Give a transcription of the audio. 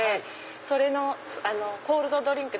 それのコールドドリンク